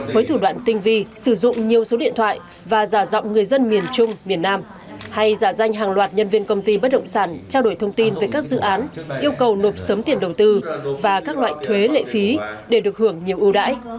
với thủ đoạn tinh vi sử dụng nhiều số điện thoại và giả dọng người dân miền trung miền nam hay giả danh hàng loạt nhân viên công ty bất động sản trao đổi thông tin về các dự án yêu cầu nộp sớm tiền đầu tư và các loại thuế lệ phí để được hưởng nhiều ưu đãi